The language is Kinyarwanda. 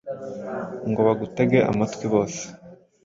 ngo bagutege amatwi bose